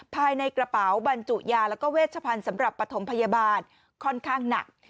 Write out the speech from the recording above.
ภายในกระเป๋าบรรจุยาแล้วก็เวชพันธุ์สำหรับปฐมพยาบาลค่อนข้างหนัก